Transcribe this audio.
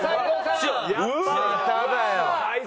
まただよ。